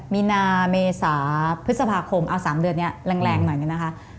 มีนาเมษาพฤษภาคมเอา๓เดือนนี้แรงหน่อยเนี่ยนะคะ